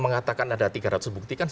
saya katakan ada tiga ratus bukti kan